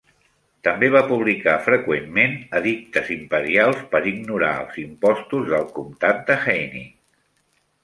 També va publicar freqüentment edictes imperials per ignorar els impostos del comtat de Haining.